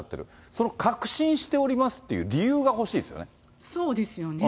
その確信しておりますという理由が欲しいですよね。